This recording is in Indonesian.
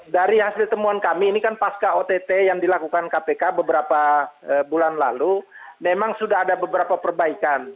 dari hasil temuan kami ini kan pasca ott yang dilakukan kpk beberapa bulan lalu memang sudah ada beberapa perbaikan